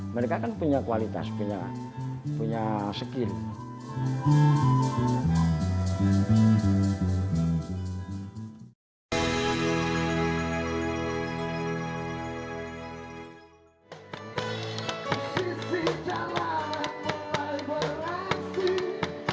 mereka kan punya kualitas punya skill